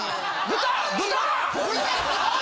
豚！